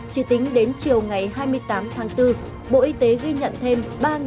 chỉ tính đến chiều ngày hai mươi tám tháng bốn bộ y tế ghi nhận thêm